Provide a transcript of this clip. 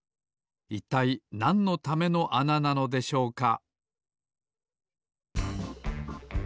いったいなんのためのあななのでしょうか？